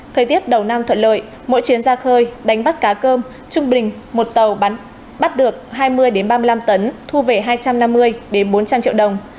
thời tiết đầu năm thuận lợi mỗi chuyến ra khơi đánh bắt cá cơm trung bình một tàu bắt được hai mươi ba mươi năm tấn thu về hai trăm năm mươi bốn trăm linh triệu đồng